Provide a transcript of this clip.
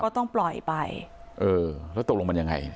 ต้องปล่อยไปเออแล้วตกลงมันยังไง